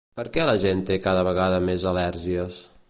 Per què la gent té cada vegada més al·lèrgies?